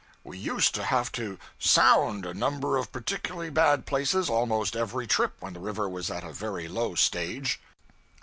We used to have to 'sound' a number of particularly bad places almost every trip when the river was at a very low stage.